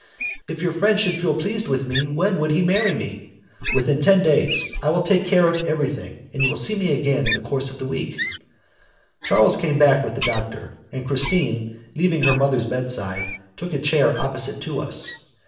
"If your friend should feel pleased with me, when would he marry me?" "Within ten days. I will take care of everything, and you will see me again in the course of the week." Charles came back with the doctor, and Christine, leaving her mother's bedside, took a chair opposite to us.